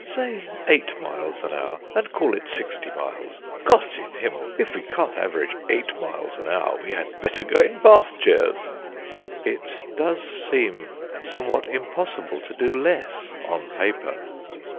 Say, eight miles an hour, and call it sixty miles. Gott in Himmel! if we can't average eight miles an hour, we had better go in bath chairs." It does seem somewhat impossible to do less, on paper.